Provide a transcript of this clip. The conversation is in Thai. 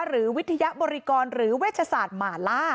หรือวิทยาบริกรหรือเวชศาสตร์หมาล่า